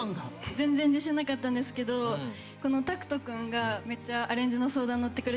全然自信なかったんですがタクト君がめっちゃアレンジの相談乗ってくれて。